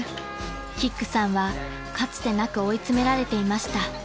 ［キックさんはかつてなく追い詰められていました］